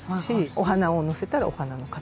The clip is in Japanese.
お花をのせたらお花の形。